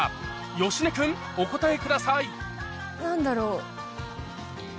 芳根君お答えください何だろう？